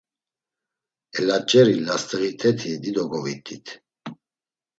Elaç̌eri last̆iğiteti dido govit̆it.